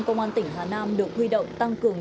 công an tỉnh hà nam được huy động tăng cường